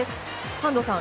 安藤さん。